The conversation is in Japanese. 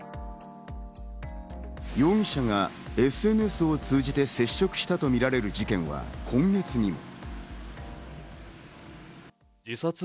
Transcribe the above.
容疑者がＳＮＳを通じて接触したとみられる事件は今月にも。